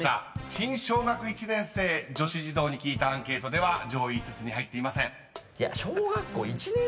［新小学１年生女子児童に聞いたアンケートでは上位５つに入っていません］